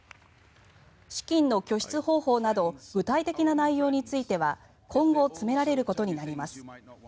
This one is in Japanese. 資金の拠出方法など具体的な内容については今後、詰められることになります。